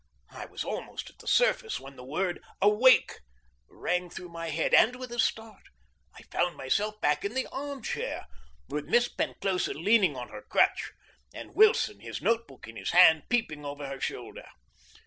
I was almost at the surface when the word "Awake!" rang through my head, and, with a start, I found myself back in the arm chair, with Miss Penclosa leaning on her crutch, and Wilson, his note book in his hand, peeping over her shoulder.